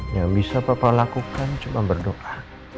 yang bisa bapak lakukan cuma berdoa